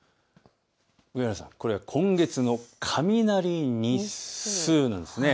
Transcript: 上原さん、これは今月の雷日数なんです。